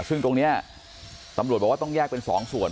ซึ่งตรงนี้ตำรวจบอกว่าต้องแยกเป็น๒ส่วน